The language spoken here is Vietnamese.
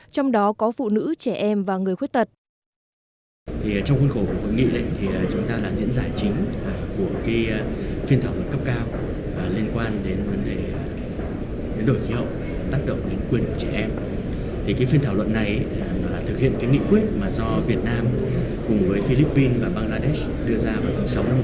trong đó có phụ nữ trẻ em và người khuyết tật